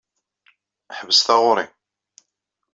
Ḥbes taɣuri.